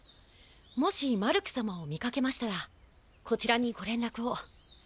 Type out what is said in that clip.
もしマルク様を見かけましたらこちらにごれんらくを。